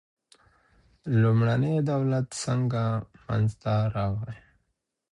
لومړنی دولت څنګه منځ ته راغی.